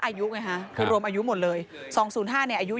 มันมีโอกาสเกิดอุบัติเหตุได้นะครับ